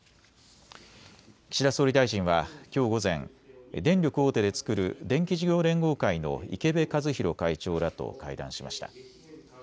岸田総理大臣はきょう午前、電力大手で作る電気事業連合会の池辺和弘会長らと会談しました。